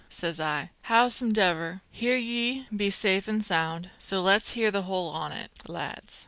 says I. Howsomedever, here ye be safe an' sound; so let's hear the whole on it, lads."